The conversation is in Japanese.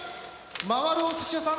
回るお寿司屋さん